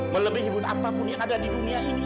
melebihi apapun yang ada di dunia ini